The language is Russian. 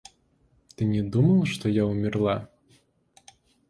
Ты не думал, что я умерла?